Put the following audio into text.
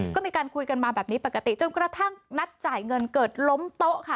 ก็มีการคุยกันมาแบบนี้ปกติจนกระทั่งนัดจ่ายเงินเกิดล้มโต๊ะค่ะ